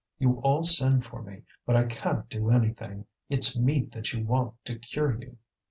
You all send for me, but I can't do anything; it's meat that you want to cure you."